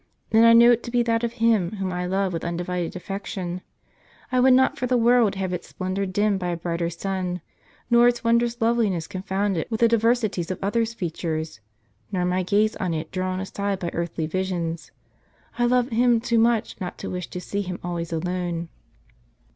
And I know it to be that of Him whom I love with undivided affection. I would not for the world have its splendor dimmed by a brighter sun, nor its wondrous loveliness confounded with the diversities of others' features, nor my gaze on it drawn aside by earthly visions. I love Him too much not to wish to see Him always alone."